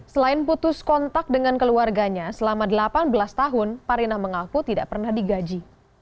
selain putus kontak dengan keluarganya selama delapan belas tahun parinah mengaku tidak pernah digaji